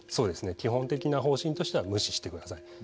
基本的な方針としては無視してください。